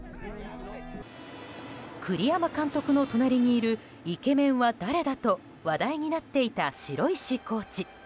栗山監督の隣にいるイケメンは誰だと話題になっていた城石コーチ。